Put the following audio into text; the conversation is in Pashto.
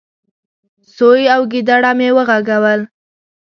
. سوی او ګيدړه مې وغږول،